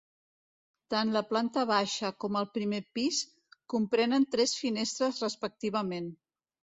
Tant la planta baixa com el primer pis comprenen tres finestres respectivament.